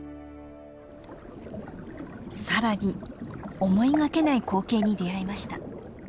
さらに思いがけない光景に出会いました。